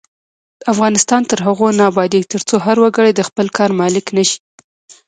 افغانستان تر هغو نه ابادیږي، ترڅو هر وګړی د خپل کار مالک نشي.